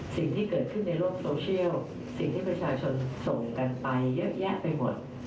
สิ่งที่เกิดขึ้นในโลกโซเชียลสิ่งที่ประชาชนส่งกันไปเยอะแยะไปหมด